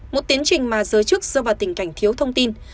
một tiến trình mà giới chức rơi vào tình cảnh thiếu thông tin